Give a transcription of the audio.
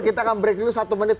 kita akan break dulu satu menit